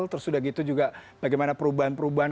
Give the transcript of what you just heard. terus sudah gitu juga bagaimana perubahan perubahan